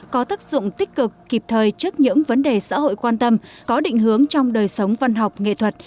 có tác dụng tích cực kịp thời trước những vấn đề xã hội quan tâm có định hướng trong đời sống văn học nghệ thuật